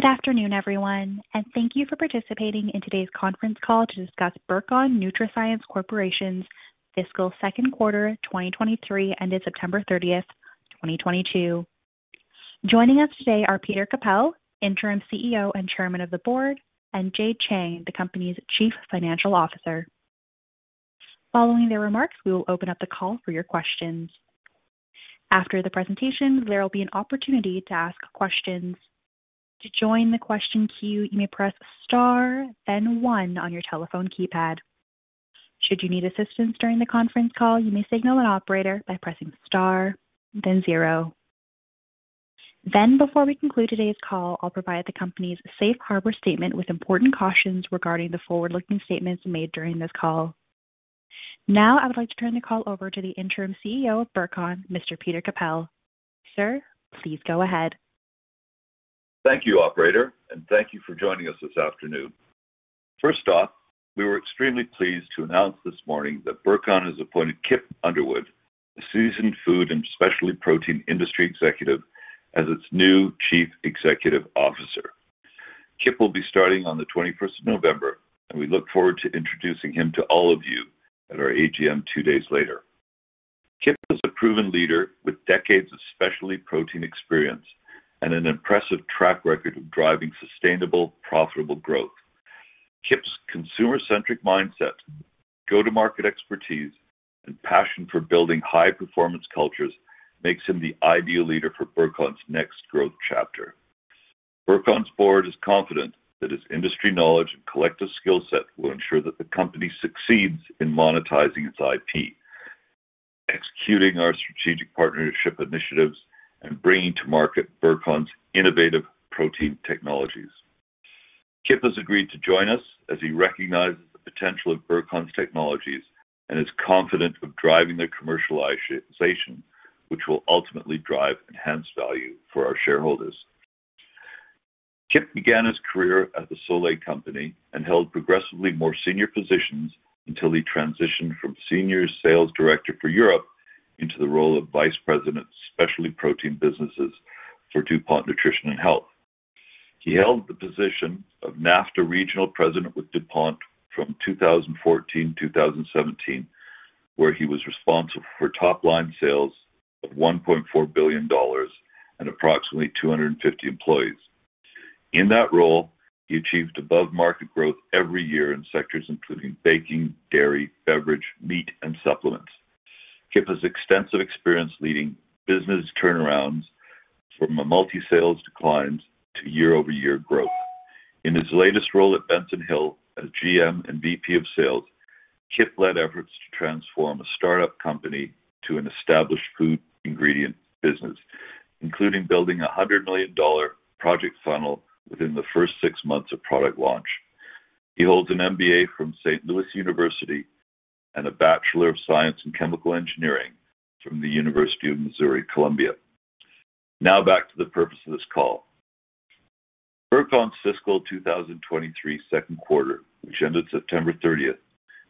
Good afternoon, everyone, and thank you for participating in today's conference call to discuss Burcon NutraScience Corporation's fiscal second quarter 2023 ended September 30th, 2022. Joining us today are Peter H. Kappel, Interim CEO and Chairman of the Board, and Jade Cheng, the company's Chief Financial Officer. Following their remarks, we will open up the call for your questions. After the presentation, there will be an opportunity to ask questions. To join the question queue, you may press star then one on your telephone keypad. Should you need assistance during the conference call, you may signal an operator by pressing star then zero. Before we conclude today's call, I'll provide the company's safe harbor statement with important cautions regarding the forward-looking statements made during this call. Now, I would like to turn the call over to the Interim CEO of Burcon NutraScience Corporation, Mr. Peter Kappel. Sir, please go ahead. Thank you, operator, and thank you for joining us this afternoon. First off, we were extremely pleased to announce this morning that Burcon has appointed Kip Underwood, a seasoned food and specialty protein industry executive, as its new Chief Executive Officer. Kip will be starting on the twenty-first of November, and we look forward to introducing him to all of you at our AGM two days later. Kip is a proven leader with decades of specialty protein experience and an impressive track record of driving sustainable, profitable growth. Kip's consumer-centric mindset, go-to-market expertise, and passion for building high-performance cultures makes him the ideal leader for Burcon's next growth chapter. Burcon's board is confident that his industry knowledge and collective skill set will ensure that the company succeeds in monetizing its IP, executing our strategic partnership initiatives, and bringing to market Burcon's innovative protein technologies. Kip has agreed to join us as he recognizes the potential of Burcon's technologies and is confident of driving their commercialization, which will ultimately drive enhanced value for our shareholders. Kip began his career at the Solae Company and held progressively more senior positions until he transitioned from Senior Sales Director for Europe into the role of Vice President, Specialty Protein Businesses for DuPont Nutrition and Health. He held the position of NAFTA Regional President with DuPont from 2014 to 2017, where he was responsible for top-line sales of $1.4 billion and approximately 250 employees. In that role, he achieved above-market growth every year in sectors including baking, dairy, beverage, meat, and supplements. Kip has extensive experience leading business turnarounds from multi-sales declines to year-over-year growth. In his latest role at Benson Hill as GM and VP of Sales, Kip led efforts to transform a start-up company to an established food ingredient business, including building a 100 million dollar project funnel within the first six months of product launch. He holds an MBA from St. Louis University and a Bachelor of Science in Chemical Engineering from the University of Missouri, Columbia. Now back to the purpose of this call. Burcon's fiscal 2023 second quarter, which ended September 30th,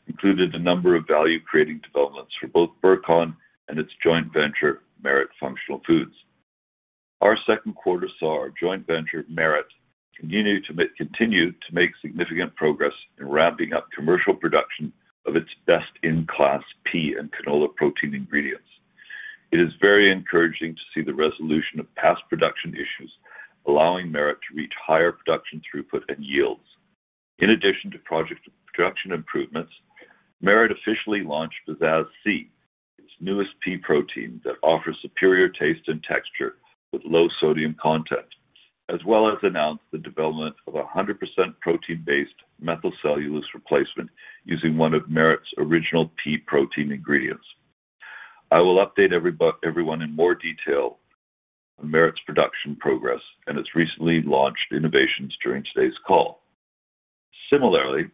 included a number of value-creating developments for both Burcon and its joint venture, Merit Functional Foods. Our second quarter saw our joint venture, Merit, continue to make significant progress in ramping up commercial production of its best-in-class pea and canola protein ingredients. It is very encouraging to see the resolution of past production issues, allowing Merit to reach higher production throughput and yields. In addition to project production improvements, Merit officially launched Peazazz C, its newest pea protein that offers superior taste and texture with low sodium content, as well as announced the development of a 100% protein-based methylcellulose replacement using one of Merit's original pea protein ingredients. I will update everyone in more detail on Merit's production progress and its recently launched innovations during today's call. Similarly,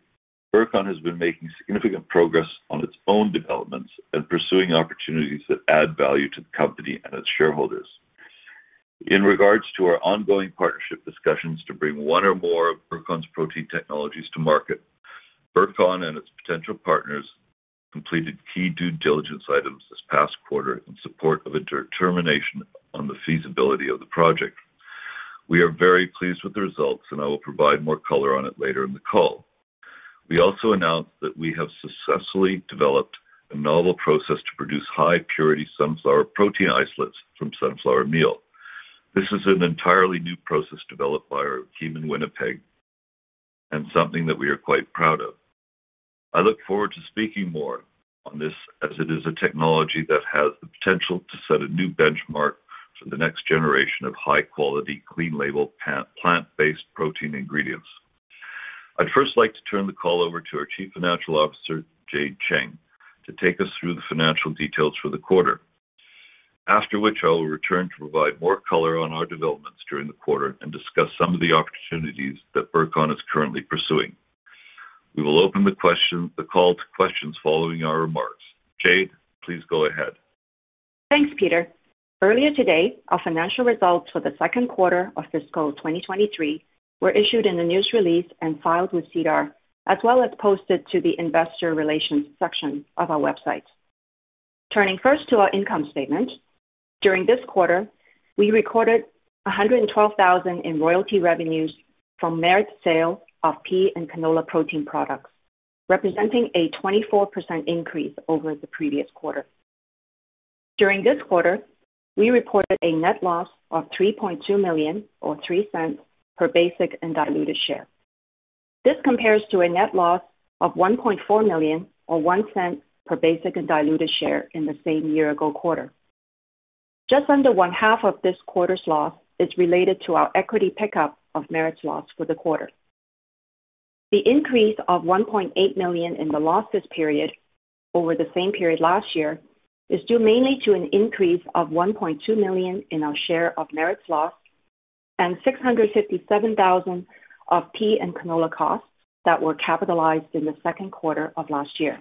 Burcon has been making significant progress on its own developments and pursuing opportunities that add value to the company and its shareholders. In regards to our ongoing partnership discussions to bring one or more of Burcon's protein technologies to market, Burcon and its potential partners completed key due diligence items this past quarter in support of a determination on the feasibility of the project. We are very pleased with the results, and I will provide more color on it later in the call. We also announced that we have successfully developed a novel process to produce high-purity sunflower protein isolates from sunflower meal. This is an entirely new process developed by our team in Winnipeg and something that we are quite proud of. I look forward to speaking more on this as it is a technology that has the potential to set a new benchmark for the next generation of high-quality, clean label plant-based protein ingredients. I'd first like to turn the call over to our Chief Financial Officer, Jade Cheng, to take us through the financial details for the quarter. After which I will return to provide more color on our developments during the quarter and discuss some of the opportunities that Burcon is currently pursuing. We will open the call to questions following our remarks. Jade, please go ahead. Thanks, Peter. Earlier today, our financial results for the second quarter of fiscal 2023 were issued in a news release and filed with SEDAR as well as posted to the investor relations section of our website. Turning first to our income statement. During this quarter, we recorded 112,000 in royalty revenues from Merit's sale of pea and canola protein products, representing a 24% increase over the previous quarter. During this quarter, we reported a net loss of 3.2 million or 0.03 per basic and diluted share. This compares to a net loss of 1.4 million or 0.01 per basic and diluted share in the same year-ago quarter. Just under one half of this quarter's loss is related to our equity pickup of Merit's loss for the quarter. The increase of 1.8 million in the losses period over the same period last year is due mainly to an increase of 1.2 million in our share of Merit's loss and 657,000 of pea and canola costs that were capitalized in the second quarter of last year.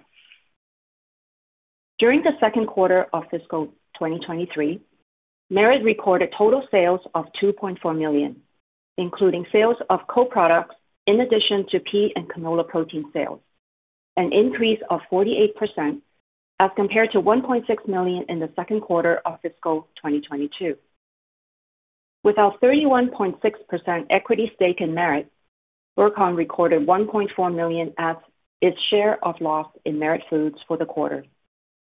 During the second quarter of fiscal 2023, Merit recorded total sales of 2.4 million, including sales of co-products in addition to pea and canola protein sales, an increase of 48% as compared to 1.6 million in the second quarter of fiscal 2022. With our 31.6% equity stake in Merit, Burcon recorded 1.4 million as its share of loss in Merit for the quarter,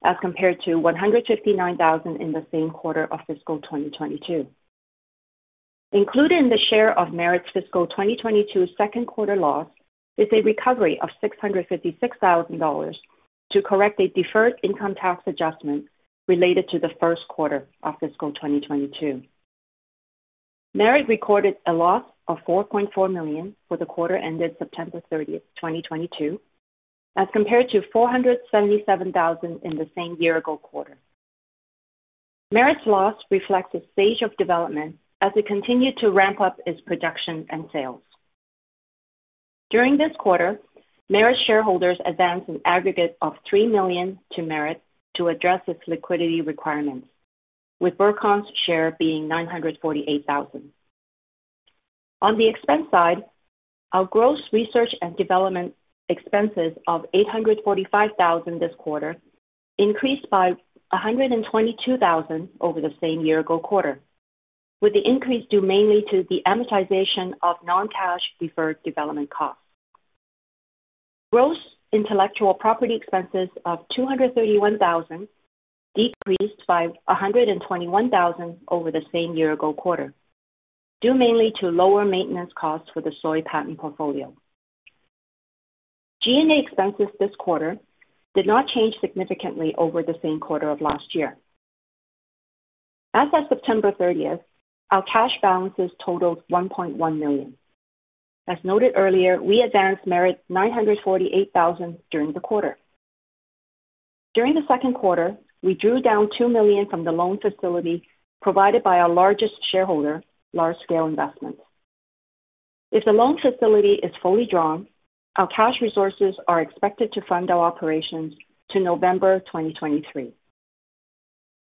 as compared to 159,000 in the same quarter of fiscal 2022. Included in the share of Merit's fiscal 2022 second quarter loss is a recovery of 656,000 dollars to correct a deferred income tax adjustment related to the first quarter of fiscal 2022. Merit recorded a loss of 4.4 million for the quarter ended September 30th, 2022, as compared to 477,000 in the same year-ago quarter. Merit's loss reflects its stage of development as it continued to ramp up its production and sales. During this quarter, Merit shareholders advanced an aggregate of 3 million to Merit to address its liquidity requirements, with Burcon's share being 948,000. On the expense side, our gross research and development expenses of 845,000 this quarter increased by 122,000 over the same year-ago quarter, with the increase due mainly to the amortization of non-cash deferred development costs. Gross intellectual property expenses of 231,000 decreased by 121,000 over the same year-ago quarter, due mainly to lower maintenance costs for the soy patent portfolio. G&A expenses this quarter did not change significantly over the same quarter of last year. As of September thirtieth, our cash balances totaled 1.1 million. As noted earlier, we advanced Merit 948,000 during the quarter. During the second quarter, we drew down 2 million from the loan facility provided by our largest shareholder, Large Scale Investments. If the loan facility is fully drawn, our cash resources are expected to fund our operations to November 2023.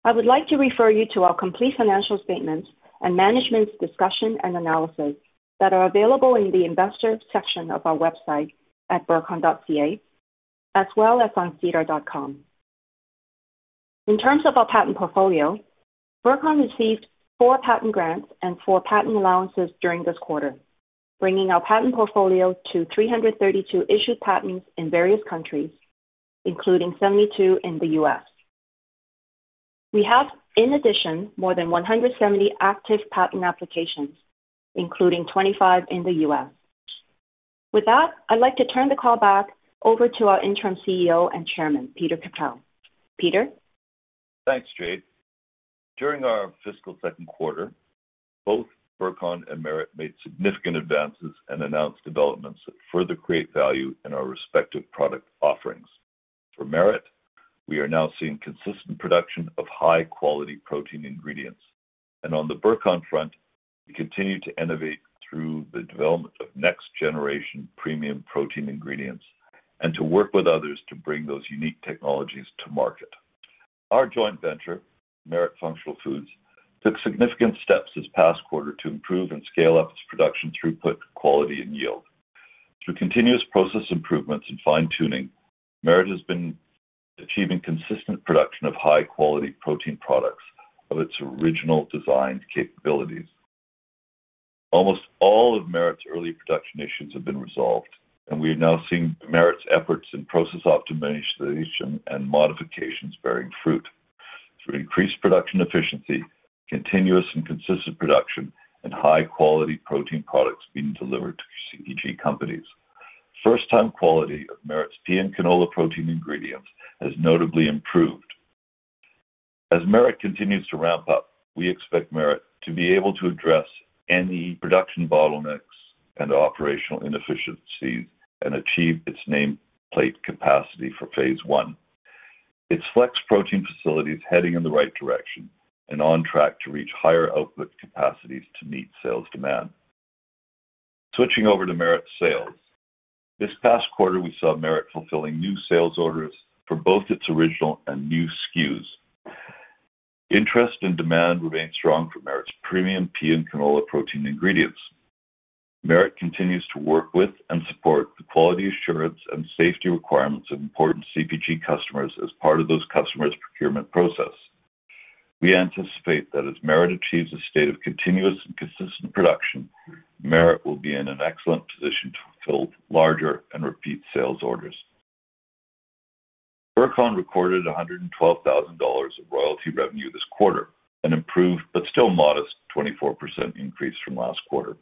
I would like to refer you to our complete financial statements and management's discussion and analysis that are available in the investor section of our website at burcon.ca, as well as on SEDAR.com. In terms of our patent portfolio, Burcon received 4 patent grants and 4 patent allowances during this quarter, bringing our patent portfolio to 332 issued patents in various countries, including 72 in the U.S. We have, in addition, more than 170 active patent applications, including 25 in the U.S. With that, I'd like to turn the call back over to our interim CEO and chairman, Peter H. Kappel. Peter? Thanks, Jade. During our fiscal second quarter, both Burcon and Merit made significant advances and announced developments that further create value in our respective product offerings. For Merit, we are now seeing consistent production of high-quality protein ingredients. On the Burcon front, we continue to innovate through the development of next-generation premium protein ingredients and to work with others to bring those unique technologies to market. Our joint venture, Merit Functional Foods, took significant steps this past quarter to improve and scale up its production throughput, quality, and yield. Through continuous process improvements and fine-tuning, Merit has been achieving consistent production of high-quality protein products of its original designed capabilities. Almost all of Merit's early production issues have been resolved, and we are now seeing Merit's efforts in process optimization and modifications bearing fruit through increased production efficiency, continuous and consistent production, and high-quality protein products being delivered to CPG companies. First-time quality of Merit's pea and canola protein ingredients has notably improved. As Merit continues to ramp up, we expect Merit to be able to address any production bottlenecks and operational inefficiencies and achieve its nameplate capacity for phase one. Its Flex Protein facility is heading in the right direction and on track to reach higher output capacities to meet sales demand. Switching over to Merit's sales. This past quarter, we saw Merit fulfilling new sales orders for both its original and new SKUs. Interest and demand remains strong for Merit's premium pea and canola protein ingredients. Merit continues to work with and support the quality assurance and safety requirements of important CPG customers as part of those customers' procurement process. We anticipate that as Merit achieves a state of continuous and consistent production, Merit will be in an excellent position to fulfill larger and repeat sales orders. Burcon recorded 112,000 dollars of royalty revenue this quarter, an improved but still modest 24% increase from last quarter.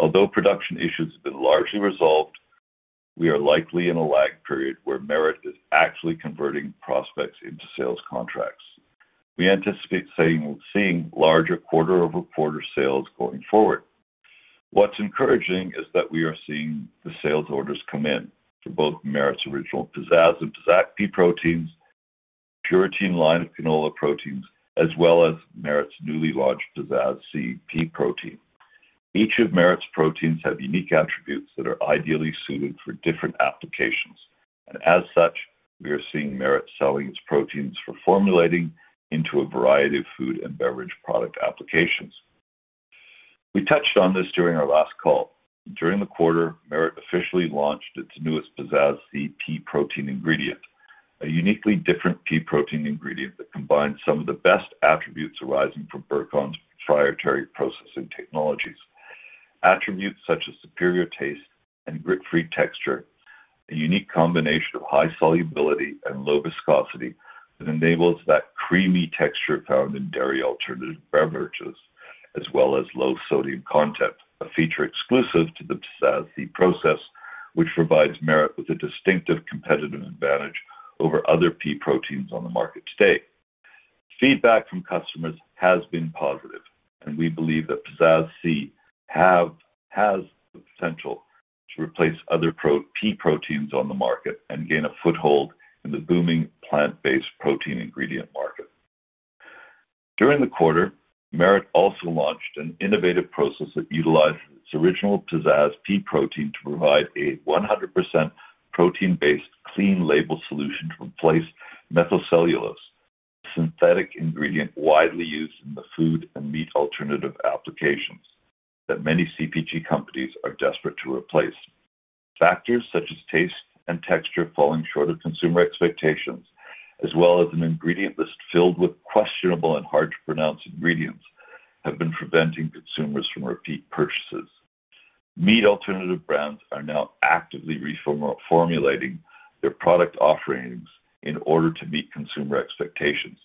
Although production issues have been largely resolved, we are likely in a lag period where Merit is actually converting prospects into sales contracts. We anticipate seeing larger quarter-over-quarter sales going forward. What's encouraging is that we are seeing the sales orders come in for both Merit's original Peazazz and Peazazz pea proteins, Puratein line of canola proteins, as well as Merit's newly launched Peazazz C pea protein. Each of Merit's proteins have unique attributes that are ideally suited for different applications. As such, we are seeing Merit selling its proteins for formulating into a variety of food and beverage product applications. We touched on this during our last call. During the quarter, Merit officially launched its newest Peazazz C pea protein ingredient, a uniquely different pea protein ingredient that combines some of the best attributes arising from Burcon's proprietary processing technologies. Attributes such as superior taste and grit-free texture, a unique combination of high solubility and low viscosity that enables that creamy texture found in dairy alternative beverages, as well as low sodium content, a feature exclusive to the Peazazz C process, which provides Merit with a distinctive competitive advantage over other pea proteins on the market today. Feedback from customers has been positive, and we believe that Peazazz C has the potential to replace other pea proteins on the market and gain a foothold in the booming plant-based protein ingredient market. During the quarter, Merit also launched an innovative process that utilizes its original Peazazz pea protein to provide a 100% protein-based clean label solution to replace methylcellulose, a synthetic ingredient widely used in the food and meat alternative applications that many CPG companies are desperate to replace. Factors such as taste and texture falling short of consumer expectations, as well as an ingredient list filled with questionable and hard-to-pronounce ingredients, have been preventing consumers from repeat purchases. Meat alternative brands are now actively reformulating their product offerings in order to meet consumer expectations.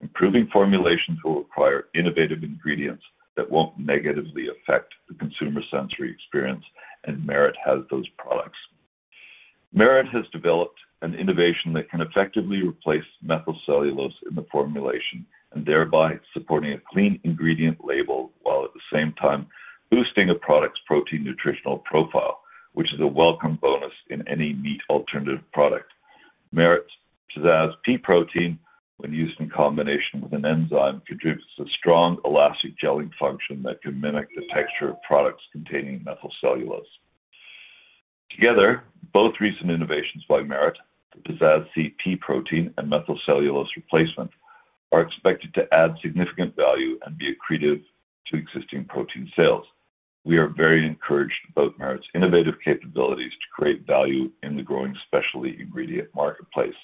Improving formulations will require innovative ingredients that won't negatively affect the consumer sensory experience, and Merit has those products. Merit has developed an innovation that can effectively replace methylcellulose in the formulation, and thereby supporting a clean ingredient label, while at the same time boosting a product's protein nutritional profile, which is a welcome bonus in any meat alternative product. Merit's Peazazz pea protein, when used in combination with an enzyme, produces a strong elastic gelling function that can mimic the texture of products containing methylcellulose. Together, both recent innovations by Merit, the Peazazz C pea protein and methylcellulose replacement, are expected to add significant value and be accretive to existing protein sales. We are very encouraged about Merit's innovative capabilities to create value in the growing specialty ingredient marketplace.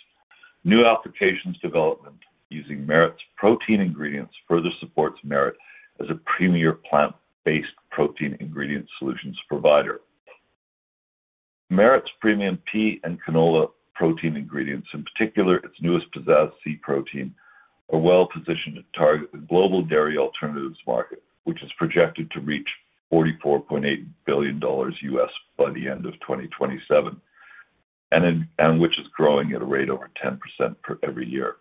New applications development using Merit's protein ingredients further supports Merit as a premier plant-based protein ingredient solutions provider. Merit's premium pea and canola protein ingredients, in particular its newest Peazazz C protein, are well-positioned to target the global dairy alternatives market, which is projected to reach $44.8 billion by the end of 2027, which is growing at a rate over 10% per every year.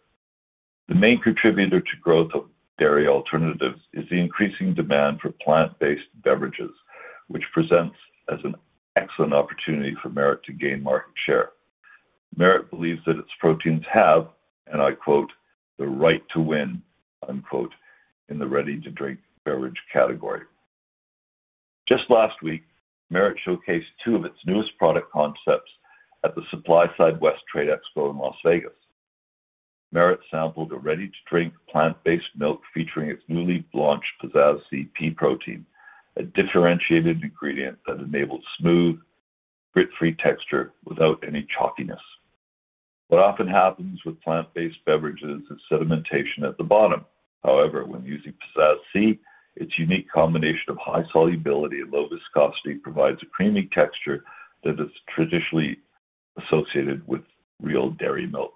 The main contributor to growth of dairy alternatives is the increasing demand for plant-based beverages, which presents as an excellent opportunity for Merit to gain market share. Merit believes that its proteins have, and I quote, "The right to win," unquote, in the ready-to-drink beverage category. Just last week, Merit showcased two of its newest product concepts at the SupplySide West Trade Expo in Las Vegas. Merit sampled a ready-to-drink plant-based milk featuring its newly launched Peazazz C pea protein, a differentiated ingredient that enables smooth, grit-free texture without any chalkiness. What often happens with plant-based beverages is sedimentation at the bottom. However, when using Peazazz C, its unique combination of high solubility and low viscosity provides a creamy texture that is traditionally associated with real dairy milk.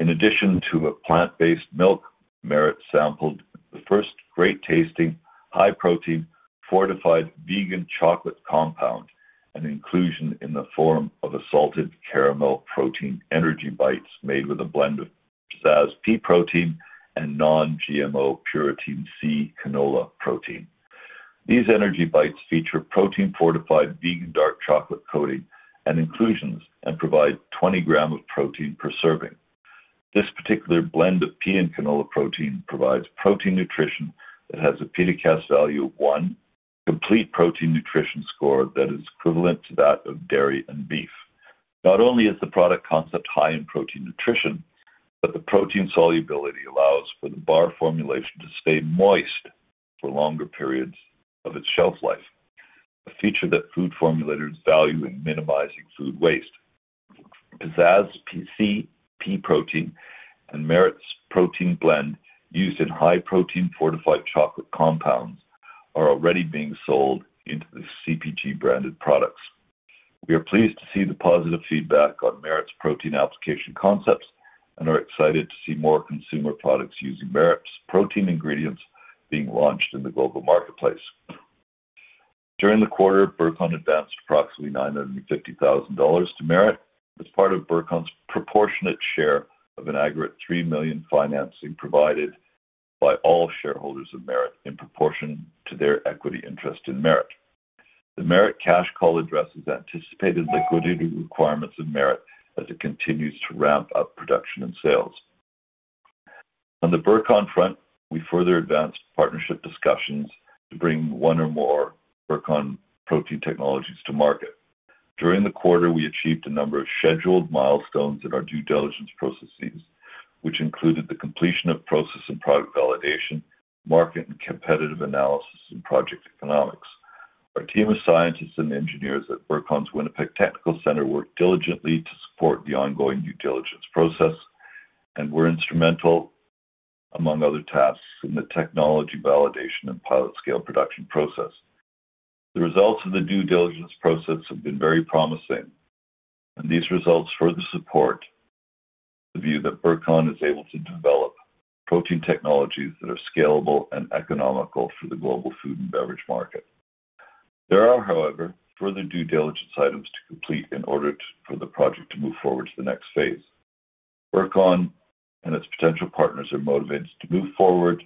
In addition to a plant-based milk, Merit sampled the first great-tasting, high-protein, fortified vegan chocolate compound, an inclusion in the form of a salted caramel protein energy bites made with a blend of Peazazz pea protein and non-GMO Puratein-C canola protein. These energy bites feature protein-fortified vegan dark chocolate coating and inclusions and provide 20 gram of protein per serving. This particular blend of pea and canola protein provides protein nutrition that has a PDCAAS value of one, complete protein nutrition score that is equivalent to that of dairy and beef. Not only is the product concept high in protein nutrition, but the protein solubility allows for the bar formulation to stay moist for longer periods of its shelf life, a feature that food formulators value in minimizing food waste. Peazazz C pea protein and Merit's protein blend used in high protein fortified chocolate compounds are already being sold into the CPG branded products. We are pleased to see the positive feedback on Merit's protein application concepts and are excited to see more consumer products using Merit's protein ingredients being launched in the global marketplace. During the quarter, Burcon advanced approximately 950,000 dollars to Merit as part of Burcon's proportionate share of an aggregate 3 million financing provided by all shareholders of Merit in proportion to their equity interest in Merit. The Merit cash call addresses anticipated liquidity requirements of Merit as it continues to ramp up production and sales. On the Burcon front, we further advanced partnership discussions to bring one or more Burcon protein technologies to market. During the quarter, we achieved a number of scheduled milestones in our due diligence processes, which included the completion of process and product validation, market and competitive analysis, and project economics. Our team of scientists and engineers at Burcon's Winnipeg Technical Center worked diligently to support the ongoing due diligence process and were instrumental, among other tasks, in the technology validation and pilot-scale production process. The results of the due diligence process have been very promising, and these results further support the view that Burcon is able to develop protein technologies that are scalable and economical for the global food and beverage market. There are, however, further due diligence items to complete in order for the project to move forward to the next phase. Burcon and its potential partners are motivated to move forward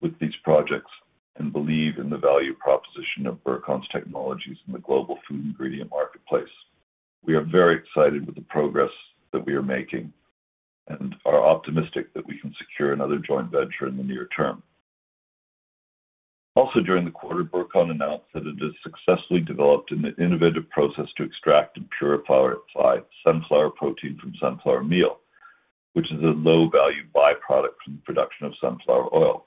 with these projects and believe in the value proposition of Burcon's technologies in the global food ingredient marketplace. We are very excited with the progress that we are making and are optimistic that we can secure another joint venture in the near term. Also during the quarter, Burcon announced that it has successfully developed an innovative process to extract and purify sunflower protein from sunflower meal, which is a low-value byproduct from the production of sunflower oil.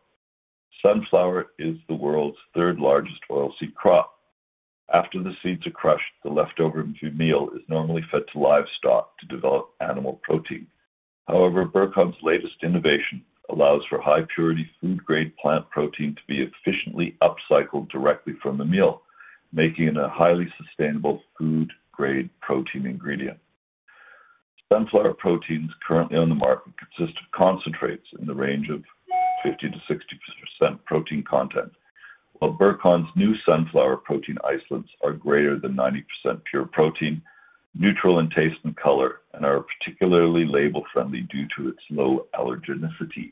Sunflower is the world's third-largest oilseed crop. After the seeds are crushed, the leftover meal is normally fed to livestock to develop animal protein. However, Burcon's latest innovation allows for high-purity, food-grade plant protein to be efficiently upcycled directly from the meal, making it a highly sustainable food-grade protein ingredient. Sunflower proteins currently on the market consist of concentrates in the range of 50%-60% protein content, while Burcon's new sunflower protein isolates are greater than 90% pure protein, neutral in taste and color, and are particularly label-friendly due to its low allergenicity.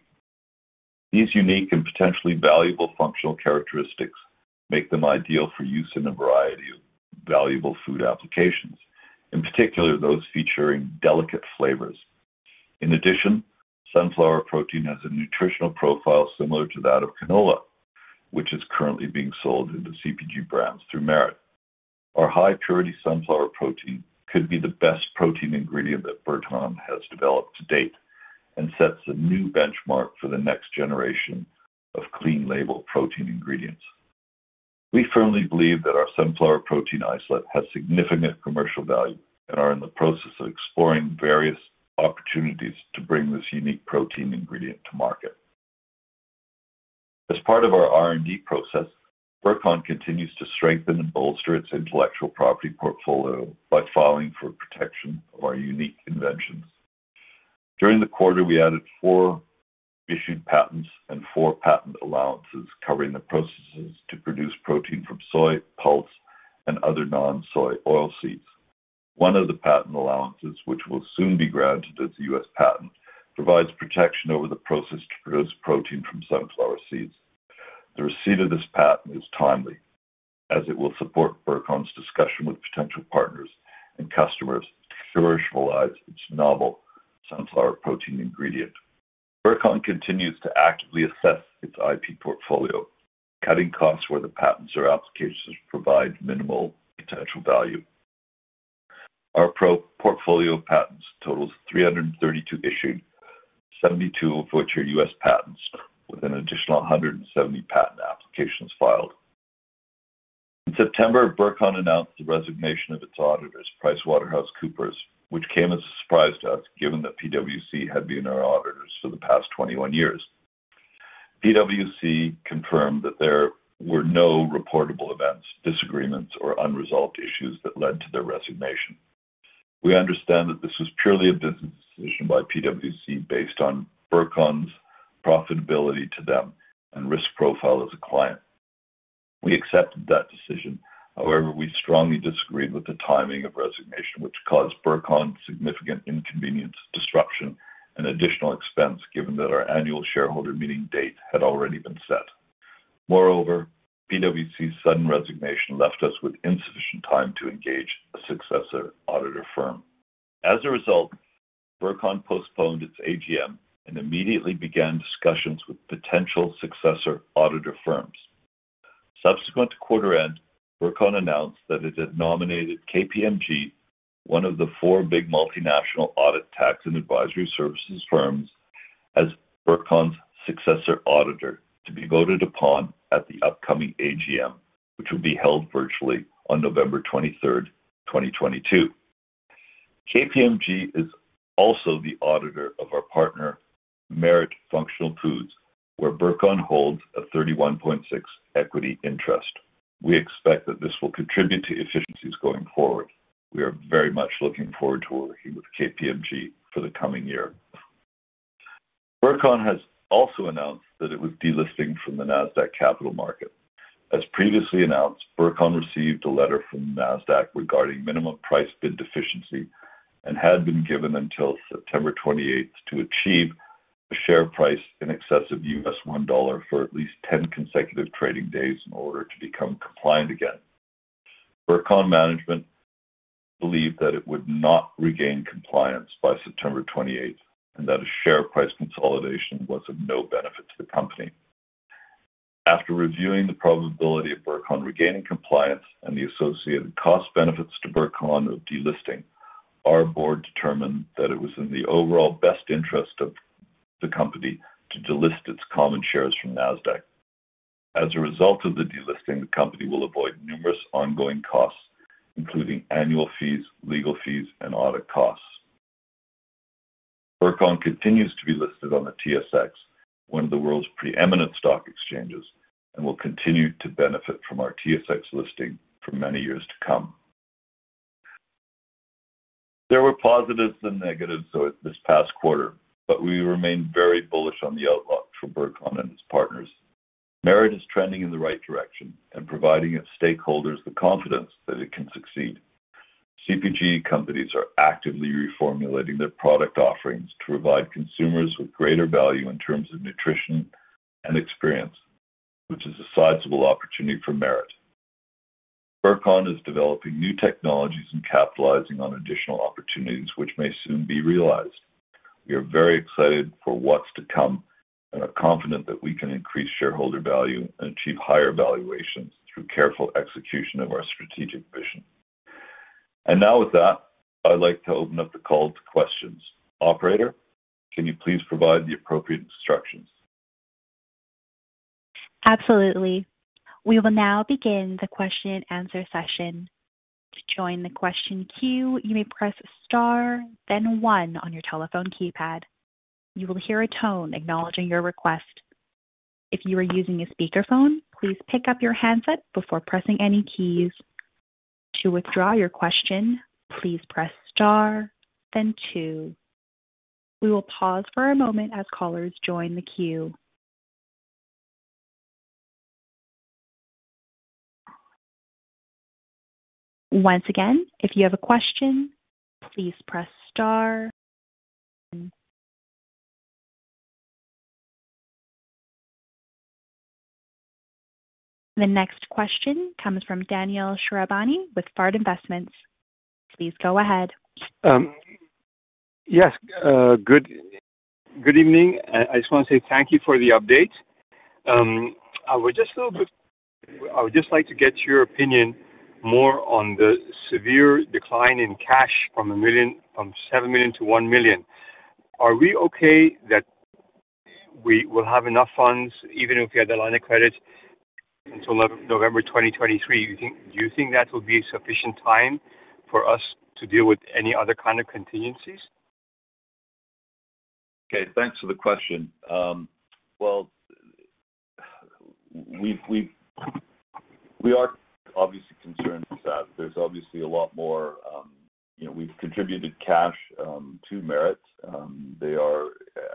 These unique and potentially valuable functional characteristics make them ideal for use in a variety of valuable food applications, in particular, those featuring delicate flavors. In addition, sunflower protein has a nutritional profile similar to that of canola, which is currently being sold into CPG brands through Merit. Our high-purity sunflower protein could be the best protein ingredient that Burcon has developed to date and sets a new benchmark for the next generation of clean label protein ingredients. We firmly believe that our sunflower protein isolate has significant commercial value and are in the process of exploring various opportunities to bring this unique protein ingredient to market. As part of our R&D process, Burcon continues to strengthen and bolster its intellectual property portfolio by filing for protection of our unique inventions. During the quarter, we added four issued patents and four patent allowances covering the processes to produce protein from soy, pulse, and other non-soy oilseeds. One of the patent allowances, which will soon be granted as a U.S. patent, provides protection over the process to produce protein from sunflower seeds. The receipt of this patent is timely as it will support Burcon's discussion with potential partners and customers to commercialize its novel sunflower protein ingredient. Burcon continues to actively assess its IP portfolio, cutting costs where the patents or applications provide minimal potential value. Our IP portfolio of patents totals 332 issued, 72 of which are U.S. patents, with an additional 170 patent applications filed. In September, Burcon announced the resignation of its auditors, PricewaterhouseCoopers, which came as a surprise to us given that PwC had been our auditors for the past 21 years. PwC confirmed that there were no reportable events, disagreements, or unresolved issues that led to their resignation. We understand that this was purely a business decision by PwC based on Burcon's profitability to them and risk profile as a client. We accepted that decision. However, we strongly disagreed with the timing of resignation, which caused Burcon significant inconvenience, disruption, and additional expense given that our annual shareholder meeting date had already been set. Moreover, PwC's sudden resignation left us with insufficient time to engage a successor auditor firm. As a result, Burcon postponed its AGM and immediately began discussions with potential successor auditor firms. Subsequent to quarter end, Burcon announced that it had nominated KPMG, one of the four big multinational audit tax and advisory services firms, as Burcon's successor auditor to be voted upon at the upcoming AGM, which will be held virtually on November 23rd, 2022. KPMG is also the auditor of our partner, Merit Functional Foods, where Burcon holds a 31.6% equity interest. We expect that this will contribute to efficiencies going forward. We are very much looking forward to working with KPMG for the coming year. Burcon has also announced that it was delisting from the Nasdaq Capital Market. As previously announced, Burcon received a letter from Nasdaq regarding minimum price bid deficiency and had been given until September 28th to achieve a share price in excess of $1 for at least 10 consecutive trading days in order to become compliant again. Burcon management believed that it would not regain compliance by September 28th and that a share price consolidation was of no benefit to the company. After reviewing the probability of Burcon regaining compliance and the associated cost benefits to Burcon of delisting, our board determined that it was in the overall best interest of the company to delist its common shares from Nasdaq. As a result of the delisting, the company will avoid numerous ongoing costs, including annual fees, legal fees, and audit costs. Burcon continues to be listed on the TSX, one of the world's preeminent stock exchanges, and will continue to benefit from our TSX listing for many years to come. There were positives and negatives this past quarter, but we remain very bullish on the outlook for Burcon and its partners. Merit is trending in the right direction and providing its stakeholders the confidence that it can succeed. CPG companies are actively reformulating their product offerings to provide consumers with greater value in terms of nutrition and experience, which is a sizable opportunity for Merit. Burcon is developing new technologies and capitalizing on additional opportunities which may soon be realized. We are very excited for what's to come and are confident that we can increase shareholder value and achieve higher valuations through careful execution of our strategic vision. Now with that, I'd like to open up the call to questions. Operator, can you please provide the appropriate instructions? Absolutely. We will now begin the question and answer session. To join the question queue, you may press Star, then one on your telephone keypad. You will hear a tone acknowledging your request. If you are using a speakerphone, please pick up your handset before pressing any keys. To withdraw your question, please press Star then two. We will pause for a moment as callers join the queue. Once again, if you have a question, please press Star. The next question comes from Daniel Shahrabani with Fard Investments. Please go ahead. Good evening. I just want to say thank you for the update. I would just like to get your opinion more on the severe decline in cash from 7 million to 1 million. Are we okay that we will have enough funds even if we had the line of credit until November 2023? Do you think that will be sufficient time for us to deal with any other kind of contingencies? Okay, thanks for the question. Well, we are obviously concerned with that. There's obviously a lot more, you know, we've contributed cash to Merit. They are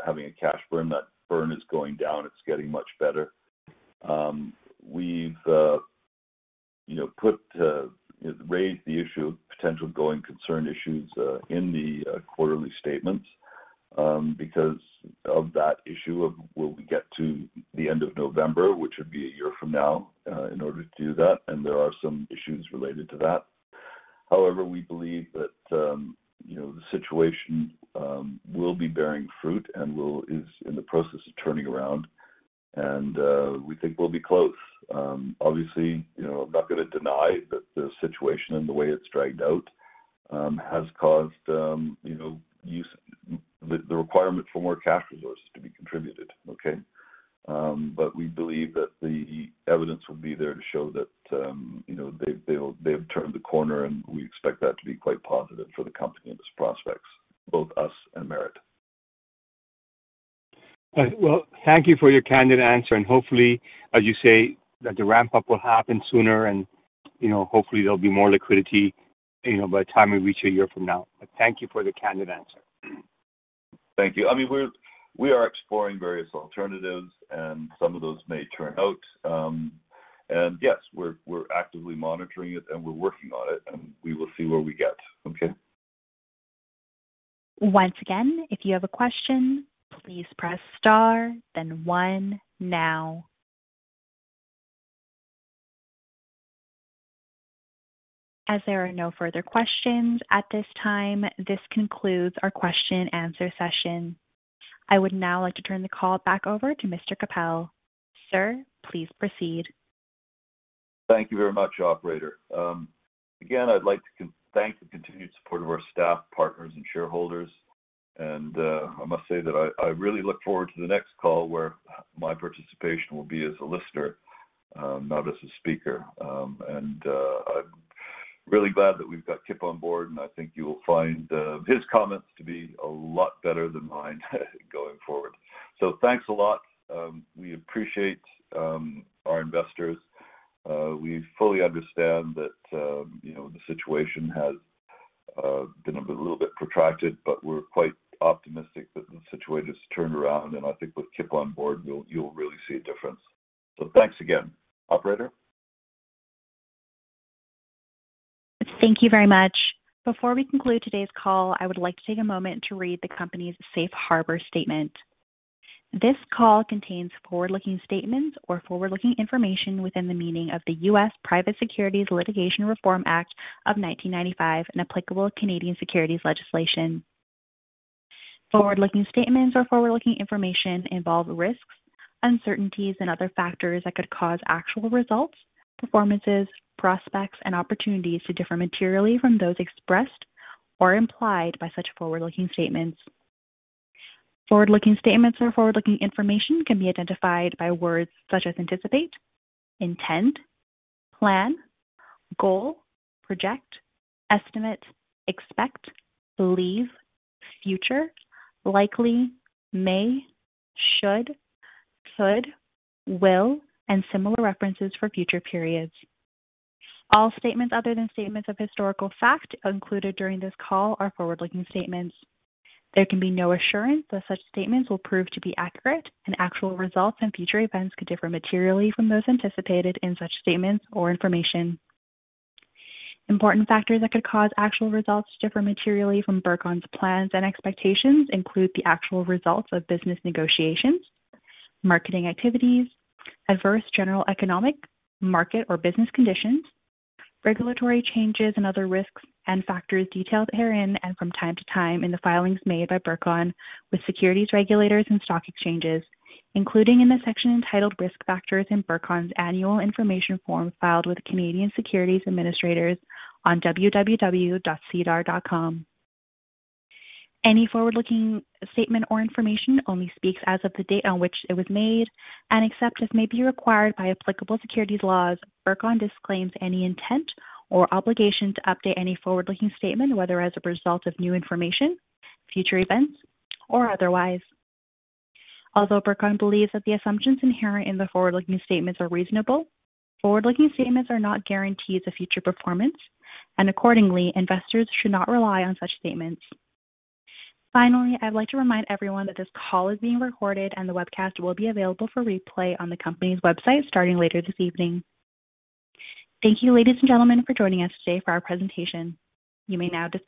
having a cash burn. That burn is going down. It's getting much better. We've, you know, raised the issue of potential going concern issues in the quarterly statements because of that issue of will we get to the end of November, which would be a year from now, in order to do that, and there are some issues related to that. However, we believe that, you know, the situation will be bearing fruit and is in the process of turning around, and we think we'll be close. Obviously, you know, I'm not going to deny that the situation and the way it's dragged out has caused you know the requirement for more cash resources to be contributed, okay? We believe that the evidence will be there to show that they've turned the corner, and we expect that to be quite positive for the company and its prospects, both us and Merit. All right. Well, thank you for your candid answer, and hopefully, as you say, that the ramp-up will happen sooner and, you know, hopefully there'll be more liquidity, you know, by the time we reach a year from now. Thank you for the candid answer. Thank you. I mean, we are exploring various alternatives, and some of those may turn out. Yes, we're actively monitoring it, and we're working on it, and we will see where we get, okay? Once again, if you have a question, please press Star then one now. As there are no further questions at this time, this concludes our question and answer session. I would now like to turn the call back over to Mr. Kappel. Sir, please proceed. Thank you very much, operator. Again, I'd like to thank the continued support of our staff, partners, and shareholders. I must say that I really look forward to the next call where my participation will be as a listener, not as a speaker. I'm really glad that we've got Kip on board, and I think you will find his comments to be a lot better than mine going forward. Thanks a lot. We appreciate our investors. We fully understand that you know the situation has been a little bit protracted, but we're quite optimistic that the situation's turned around, and I think with Kip on board, you'll really see a difference. Thanks again. Operator? Thank you very much. Before we conclude today's call, I would like to take a moment to read the company's safe harbor statement. This call contains forward-looking statements or forward-looking information within the meaning of the U.S. Private Securities Litigation Reform Act of 1995 and applicable Canadian securities legislation. Forward-looking statements or forward-looking information involve risks, uncertainties, and other factors that could cause actual results, performances, prospects, and opportunities to differ materially from those expressed or implied by such forward-looking statements. Forward-looking statements or forward-looking information can be identified by words such as anticipate, intend, plan, goal, project, estimate, expect, believe, future, likely, may, should, could, will, and similar references for future periods. All statements other than statements of historical fact included during this call are forward-looking statements. There can be no assurance that such statements will prove to be accurate, and actual results and future events could differ materially from those anticipated in such statements or information. Important factors that could cause actual results to differ materially from Burcon's plans and expectations include the actual results of business negotiations, marketing activities, adverse general economic, market, or business conditions, regulatory changes and other risks and factors detailed herein and from time to time in the filings made by Burcon with securities regulators and stock exchanges, including in the section entitled Risk Factors in Burcon's Annual Information Form filed with Canadian securities administrators on www.sedar.com. Any forward-looking statement or information only speaks as of the date on which it was made. Except as may be required by applicable securities laws, Burcon disclaims any intent or obligation to update any forward-looking statement, whether as a result of new information, future events, or otherwise. Although Burcon believes that the assumptions inherent in the forward-looking statements are reasonable, forward-looking statements are not guarantees of future performance, and accordingly, investors should not rely on such statements. Finally, I'd like to remind everyone that this call is being recorded, and the webcast will be available for replay on the company's website starting later this evening. Thank you, ladies and gentlemen, for joining us today for our presentation. You may now disconnect.